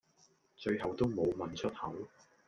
最後都無問出口